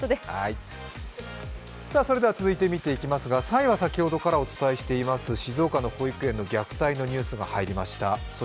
それでは続いて見ていきますが３位は先ほどからお伝えしています静岡の保育園の虐待のニュースが入りました。